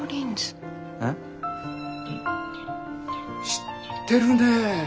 知ってるねえ。